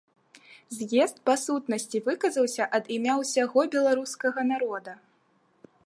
З'езд па сутнасці выказаўся ад імя ўсяго беларускага народа.